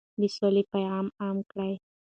د سولې پیغام عام کړئ.